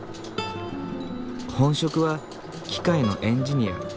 本職は機械のエンジニア。